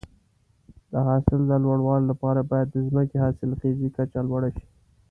د حاصل د لوړوالي لپاره باید د ځمکې حاصلخیزي کچه لوړه شي.